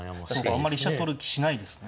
あんまり飛車取る気しないですね。